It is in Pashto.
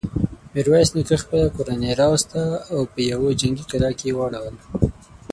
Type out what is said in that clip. ميرويس نيکه خپله کورنۍ راوسته او په يوه جنګي کلا کې يې واړول.